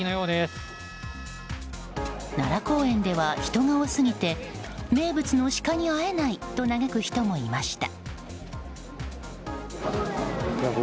奈良公園では人が多すぎて名物のシカに会えないと嘆く人もいました。